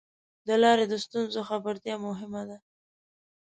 د لارې د ستونزو خبرتیا مهمه ده.